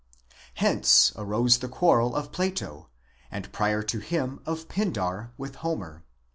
Hence arose the quarrel of Plato, and prior to him of Pindar, with Homer